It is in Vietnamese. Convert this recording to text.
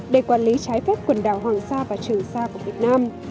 để quản lý trái phép quần đảo hoàng sa và trường sa của việt nam